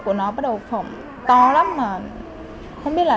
gan bàn tay chân miệng độ hai